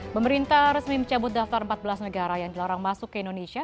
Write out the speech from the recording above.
pemerintah resmi mencabut daftar empat belas negara yang dilarang masuk ke indonesia